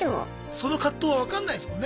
その葛藤は分かんないですもんね。